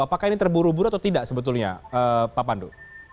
apakah ini terburu buru atau tidak sebetulnya pak pandu